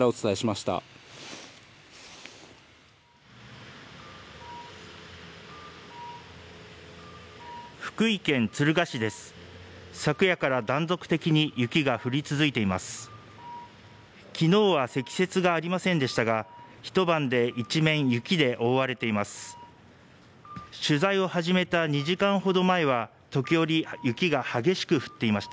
きのうは積雪がありませんでしたが、一晩で一面雪で覆われています。